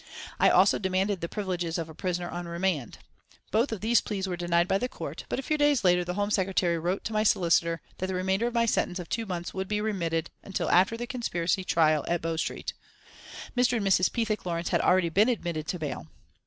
I also demanded the privileges of a prisoner on remand. Both of these pleas were denied by the court, but a few days later the Home Secretary wrote to my solicitor that the remainder of my sentence of two months would be remitted until after the conspiracy trail at Bow Street. Mr. and Mrs. Pethick Lawrence had already been admitted to bail.